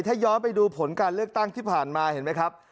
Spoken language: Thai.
ถ้าย้อนไปดูผลการเลือกตั้งที่ผ่านมาเห็นไหมครับ